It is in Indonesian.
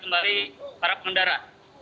kembali para pengendara